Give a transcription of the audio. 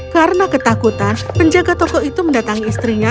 karena ketakutan penjaga toko itu mendatangi istrinya